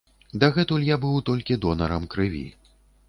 Дагэтуль я быў толькі донарам крыві.